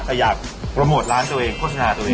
แต่อยากโปรโมทร้านตัวเองโฆษณาตัวเอง